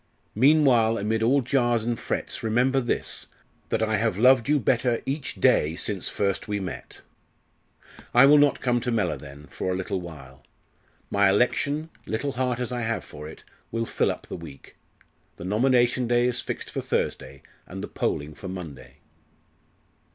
Meanwhile, amid all jars and frets, remember this, that I have loved you better each day since first we met. "I will not come to Mellor then for a little while. My election, little heart as I have for it, will fill up the week. The nomination day is fixed for Thursday and the polling for Monday."